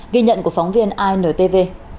ghi nhận của phóng viên intv